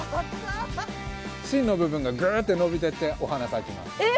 芯の部分がグーって伸びていってお花が咲きます。